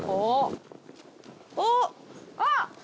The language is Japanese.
おっ！あっ！